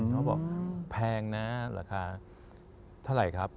เขาบอกแพงนะราคาเท่าไหร่ครับ